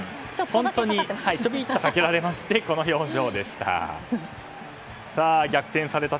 本当にちょびっとかけられましてこの表情でした。